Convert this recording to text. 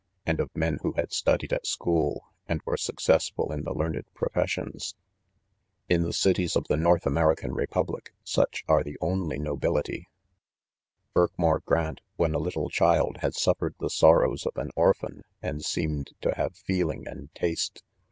and of men who had studi ed at school and were successful in the learn ed professions. In the cities of the North American Kepuhlic, such are the only nobility. Birkmoor Grant, when a little child, had suf fered the sorrows of an orphan.; and seemed ta have feeling and taste.